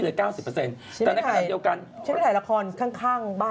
แต่ในขั้นเดียวกันหรือเปล่าไหนเดียวกันโอ้ฉันไม่ถ่ายละครข้างบ้านเขา